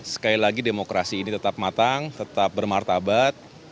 sekali lagi demokrasi ini tetap matang tetap bermartabat